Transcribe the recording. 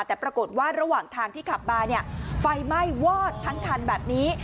แต่ปรากฏว่าระหว่างทางที่ขับมาเนี่ยไฟไหม้วอดทั้งคันแบบนี้